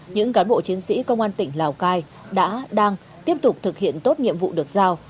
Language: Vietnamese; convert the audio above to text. những cán bộ chiến sĩ công an tỉnh lào cai đã đang tiếp tục thực hiện tốt nhiệm vụ được giao